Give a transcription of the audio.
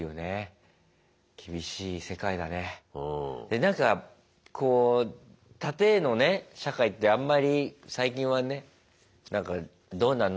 なんかこう縦のね社会ってあんまり最近はねなんかどうなの？